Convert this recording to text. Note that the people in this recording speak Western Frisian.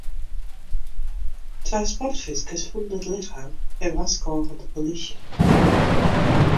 Twa sportfiskers fûnen it lichem en warskôgen de polysje.